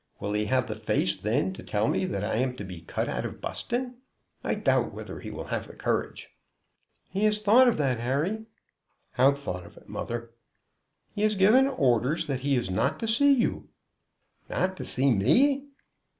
Will he have the face then to tell me that I am to be cut out of Buston? I doubt whether he will have the courage." "He has thought of that, Harry." "How thought of it, mother?" "He has given orders that he is not to see you." "Not to see me!"